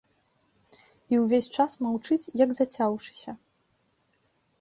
І ўвесь час маўчыць, як зацяўшыся.